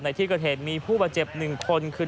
ในที่เกิดเหตุมีผู้บาดเจ็บ๑คนคือ